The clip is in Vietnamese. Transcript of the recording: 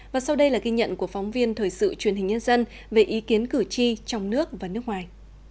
và sau đây là ghi nhận của phóng viên thời sự truyền hình nhân dân về ý kiến cử tri trong nước và nước ngoài